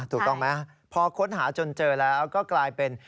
ถูกต้องไหมพอค้นหาจนเจอแล้วก็กลายเป็น